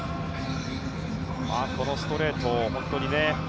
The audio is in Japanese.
このストレートも本当にね。